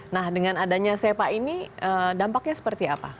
nah dengan adanya sepa ini dampaknya seperti apa